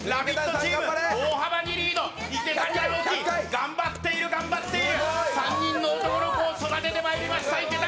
チーム大幅にリード池谷が頑張っている、頑張っている３人の男の子を育ててきた池谷。